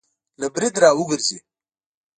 له برید را وګرځي